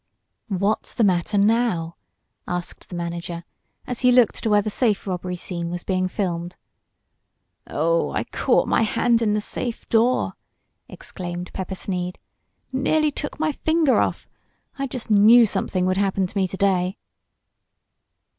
"What's the matter now?" asked the manager, as he looked to where the safe robbery scene was being filmed. "Oh, I caught my hand in the safe door!" exclaimed Pepper Sneed. "Nearly took my finger off! I just knew something would happen to me to day!"